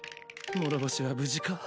諸星は無事か。